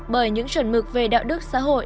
bởi những chuẩn mực về đạo đức xã hội